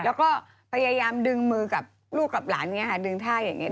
แล้วก็พยายามดึงมือกับลูกกับหลานดึงท่าอย่างนี้